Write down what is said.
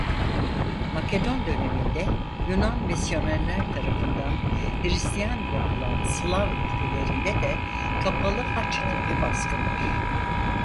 Makedon döneminde Yunan misyonerler tarafından Hristiyan yapılan Slav ülkelerinde de kapalı haç tipi baskındır.